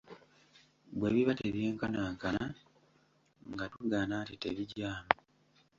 Bwe biba tebyenkanankana, nga tugaana nti tebigyamu.